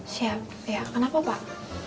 siap ya kenapa pak